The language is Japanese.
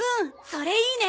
それいいね！